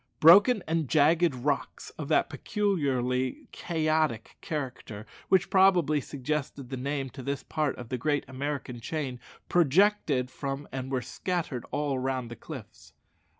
Broken and jagged rocks, of that peculiarly chaotic character which probably suggested the name to this part of the great American chain, projected from and were scattered all round the cliffs.